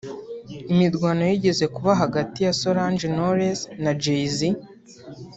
Imirwano yigeze kuba hagati ya Solange Knowless na Jay-Z